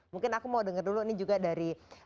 mungkin aku mau dengar dulu ini juga dari